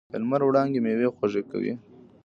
د لمر وړانګې میوې خوږې کوي.